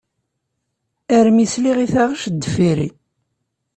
Armi i sliɣ i taɣect deffir-i.